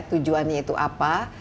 tujuannya itu apa